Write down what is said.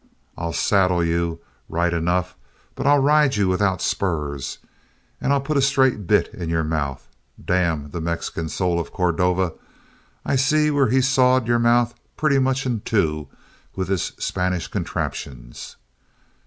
I'll saddle you, right enough, but I'll ride you without spurs, and I'll put a straight bit in your mouth damn the Mexican soul of Cordova, I see where he's sawed your mouth pretty near in two with his Spanish contraptions!